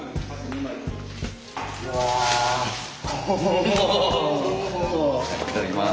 いただきます。